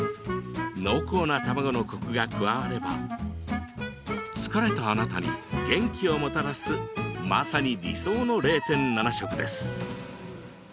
濃厚な卵のコクが加われば疲れたあなたに元気をもたらすまさに理想の０．７食です。